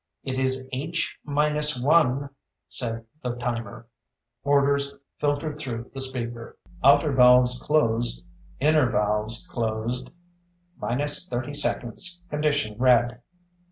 "It is H minus one," said the timer. Orders filtered through the speaker. "Outer valves closed. Inner valves closed." "_Minus thirty seconds. Condition red.